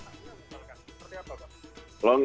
seperti apa pak